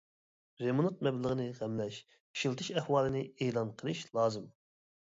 رېمونت مەبلىغىنى غەملەش، ئىشلىتىش ئەھۋالىنى ئېلان قىلىش لازىم.